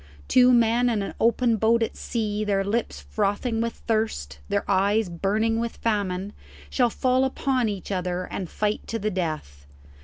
Two men in an open boat at sea, their lips frothing with thirst, their eyes burning with famine, shall fall upon each other and fight to the death.